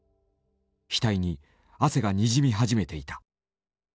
額に汗がにじみ始めていた。